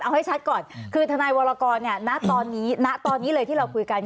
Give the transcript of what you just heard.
เอาให้ชัดก่อนคือทนายวรกรเนี่ยณตอนนี้ณตอนนี้เลยที่เราคุยกัน